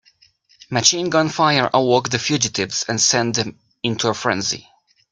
Machine gun fire awoke the fugitives and sent them into a frenzy.